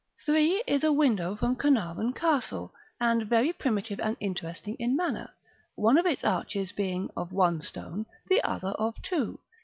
3 is a window from Carnarvon Castle, and very primitive and interesting in manner, one of its arches being of one stone, the other of two.